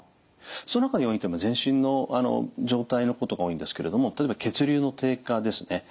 そのほかの要因というのは全身の状態のことが多いんですけれども例えば血流の低下ですね。